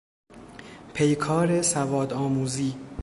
پیکار سواد آموزی